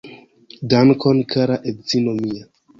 Dankon kara edzino mia